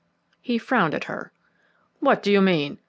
He frowned at her. "What do you mean?"